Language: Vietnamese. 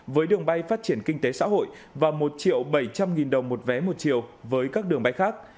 với đường bay phát triển kinh tế xã hội và một triệu bảy trăm linh nghìn đồng một vé một chiều với các đường bay khác